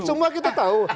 semua kita tahu